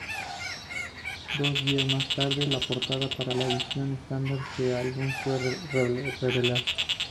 Dos días más tarde, la portada para la edición estándar del álbum fue revelada.